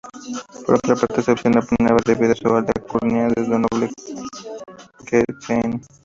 Por otra parte Cepión opinaba, debido a su alta alcurnia de noble, que Cn.